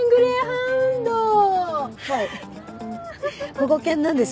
保護犬なんです。